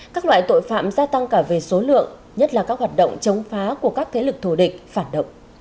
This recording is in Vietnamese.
các loại tội phạm gia tăng cả về số lượng nhất là các hoạt động chống phá của các thế lực thù địch phản động